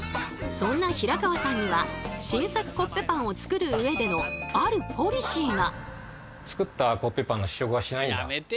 そんな平川さんには新作コッペパンを作る上でのあるポリシーが！